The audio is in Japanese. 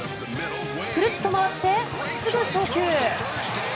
くるっと回って、すぐ送球。